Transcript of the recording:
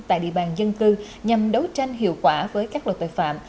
tại địa bàn dân cư nhằm đấu tranh hiệu quả với các loại tội phạm